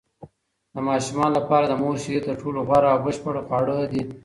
د ماشومانو لپاره د مور شیدې تر ټولو غوره او بشپړ خواړه دي.